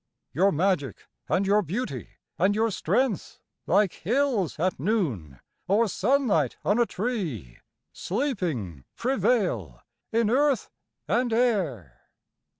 ... Your magic and your beauty and your strength, Like hills at noon or sunlight on a tree, Sleeping prevail in earth and air.